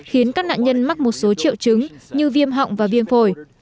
khiến các nạn nhân mắc một số triệu chứng như viêm họng và viêm phổi